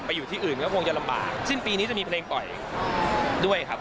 อยู่ที่อื่นก็คงจะลำบากสิ้นปีนี้จะมีเพลงปล่อยด้วยครับ